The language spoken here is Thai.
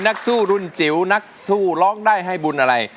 นักสู้รุ่นจิ๋วนักสู้ร้องได้ให้บุญอะไร